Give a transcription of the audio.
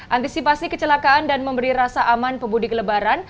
antisipasi kecelakaan dan memberi rasa aman pemudik lebaran